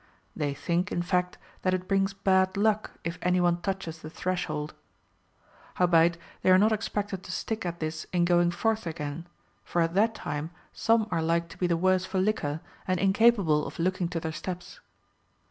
They think, in fact, that it brings bad luck if any one touches the threshold. Howbeit, they are not expected to stick at this in going forth again, for at that time some are like to be the worse for liquor, and incapable of looking to their steps.